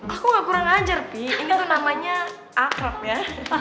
aku gak kurang ajar pi ini aku namanya akrab ya